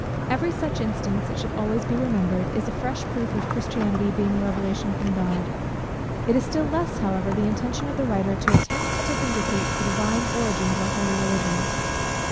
Every such instance, it should always be remembered, is a fresh proof of Christianity being a revelation from God. It is still less, however, the intention of the writer to attempt to vindicate the Divine origin of our Holy Religion.